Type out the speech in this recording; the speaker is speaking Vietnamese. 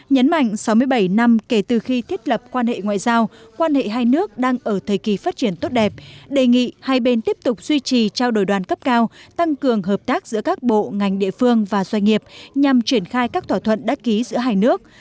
nhấn mạnh sáu mươi bảy năm kể từ khi thiết lập quan hệ ngoại giao quan hệ hai nước đang ở thời kỳ phát triển tốt đẹp đề nghị hai bên tiếp tục duy trì trao đổi đoàn cấp cao tăng cường hợp tác giữa các bộ ngành địa phương và doanh nghiệp nhằm triển khai các thỏa thuận đã ký giữa hai nước